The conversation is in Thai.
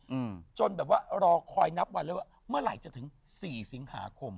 อืมจนแบบว่ารอคอยนับวันเลยว่าเมื่อไหร่จะถึงสี่สิงหาคม